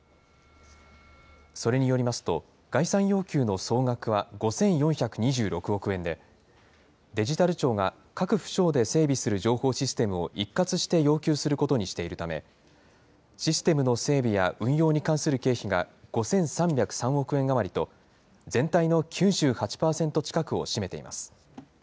それによりますと、概算要求の総額は５４２６億円で、デジタル庁が各府省で整備する情報システムを一括して要求することにしているため、システムの整備や運用に関する経費が５３０３億円余りと、全体の９８％近くを占めています。